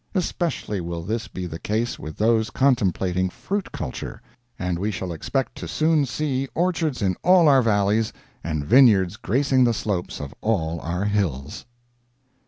Especially will this be the case with those contemplating fruit culture; and we shall expect soon to see orchards in all our valleys and vineyards gracing the slopes of all our hills.